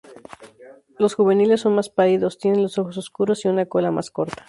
Los juveniles son más pálidos, tienen los ojos oscuros y una cola más corta.